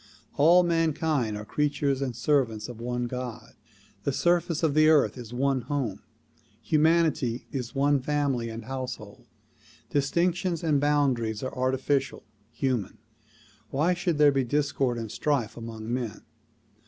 All mankind are creatures and servants of the one God. The surface of the earth 104 THE PROMULGATION OF UNIVERSAL PEACE is one home; humanity is one family and household. Distinctions and boundaries are artificial, human. Why should there be discord and strife among men?